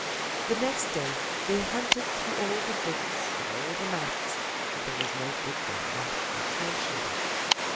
The next day they hunted through all the books and all the maps, but there was no book or map which mentioned it.